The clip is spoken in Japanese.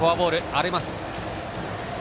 荒れます。